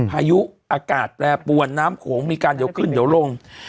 พายุอากาศแปรปวนน้ำโขงมีการเดี๋ยวขึ้นเดี๋ยวลง